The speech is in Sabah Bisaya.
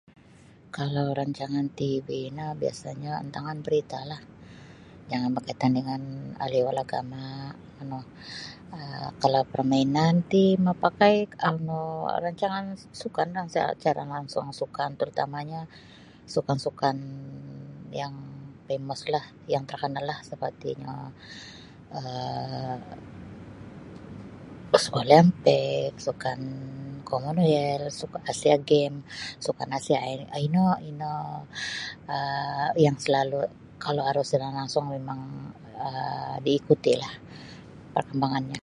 Kalau rancangan TV no biasanya antagan barita lah jangan berkaitan dengan hal ehwal agama manu um kalau permainan ti mapakai anu rancangan sukanlah siaran langsung sukan terutamanya sukan-sukan yang pemes lah yang tekenalah sepertinyo um sukan olympic sukan komanowel asia game suka asia um ino ino um yang salalu kalau aru siaran langsung mimang um diikutilah parkambangannya.